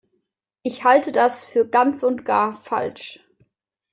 Ich halte das für ganz und gar falsch.